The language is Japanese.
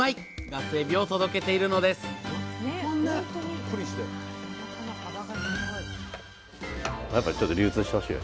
ガスエビを届けているのですうわ